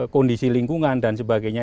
kondisi lingkungan dan sebagainya